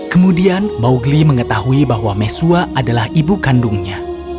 kemudian mowgli mengetahui bahwa mesua adalah ibu kandungnya